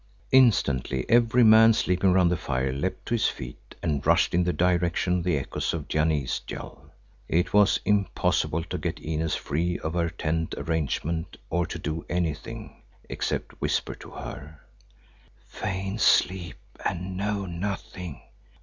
Instantly every man sleeping round the fire leapt to his feet and rushed in the direction of the echoes of Janee's yell. It was impossible to get Inez free of her tent arrangement or to do anything, except whisper to her, "Feign sleep and know nothing.